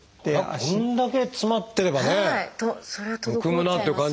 これだけ詰まってればねむくむなあという感じはしますが。